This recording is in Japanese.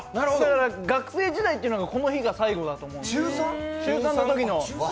学生時代というのが、この日が最後だと思うんですよ、中３。